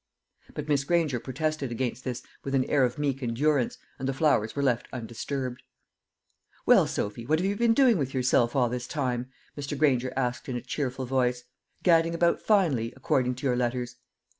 But Miss Granger protested against this with an air of meek endurance, and the flowers were left undisturbed. "Well, Sophy, what have you been doing with yourself all this time?" Mr. Granger asked in a cheerful voice; "gadding about finely, according to your letters."